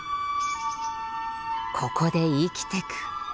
ここで生きてく。